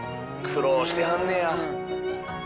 苦労してはんねや。